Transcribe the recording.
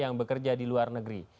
yang bekerja di luar negeri